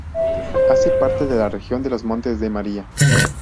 Hace parte de la Región de los Montes de Maria.